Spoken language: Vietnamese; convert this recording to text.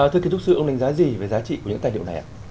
thưa kiến trúc sư ông đánh giá gì về giá trị của những tài liệu này ạ